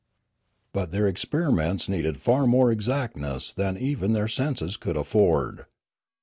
But their experiments needed far more exactness than even their senses could afford.